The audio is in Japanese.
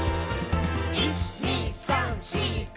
「１．２．３．４．５．」